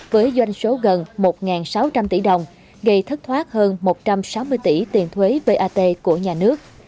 với doanh số gần một sáu trăm linh tỷ đồng gây thất thoát hơn một trăm sáu mươi tỷ tiền thuế vat của nhà nước